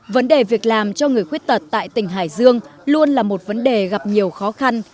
vấn đề việc làm cho người khuyết tật tại tỉnh hải dương luôn là một vấn đề gặp nhiều khó khăn